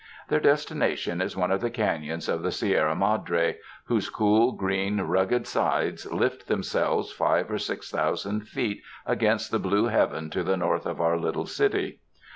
Their destina tion is one of the caiions of the Sierra Madre, whose cool, green, rugged sides lift themselves five or six thousand feet against the blue heaven to the north of our little city.